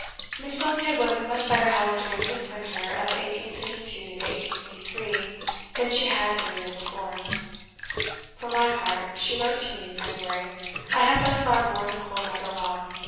Miss Brontë was in much better health during this winter of 1852 3, than she had been the year before. "For my part," (she wrote to me in February) "I have thus far borne the cold weather well.